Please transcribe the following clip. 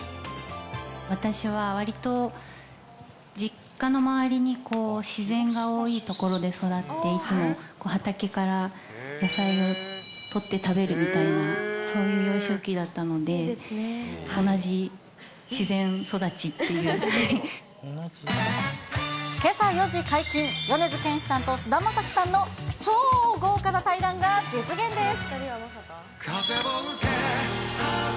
私はわりと実家の周りに自然が多い所で育って、いつも畑から野菜を取って食べるみたいな、そういう幼少期だったけさ４時解禁、米津玄師さんと菅田将暉さんの超豪華な対談が実現です。